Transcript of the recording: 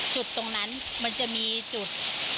จุดตรงนั้นมันจะมีจุด